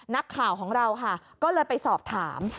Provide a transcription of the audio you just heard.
นักข่าวของเราค่ะก็เลยไปสอบถาม